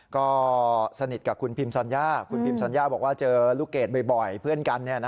ก็สนิทกับคุณพิมซอนยาคุณพิมสัญญาบอกว่าเจอลูกเกดบ่อยเพื่อนกัน